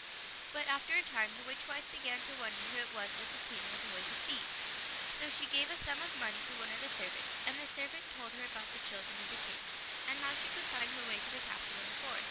But after a time the witch wife began to wonder who it was that the King went away to see, so she gave a sum of money to one of the servants, and the seiwant told her about the children of the King, and how she could find her way to the castle in the forest.